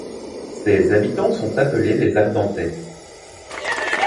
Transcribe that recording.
Ses habitants sont appelés les Ardentais.